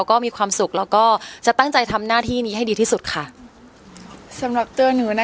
ขอบคุณทีนังสาวเชียงใหม่ขอบคุณครอบครัวขอบคุณเพื่อน